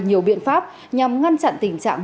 nhiều biện pháp nhằm ngăn chặn tình trạng